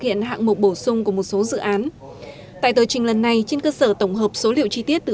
trình một bổ sung của một số dự án tại tờ trình lần này trên cơ sở tổng hợp số liệu chi tiết từ